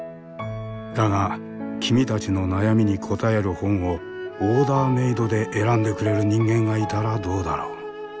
だが君たちの悩みに答える本をオーダーメードで選んでくれる人間がいたらどうだろう？